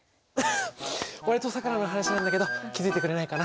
俺とさくらの話なんだけど気付いてくれないかな？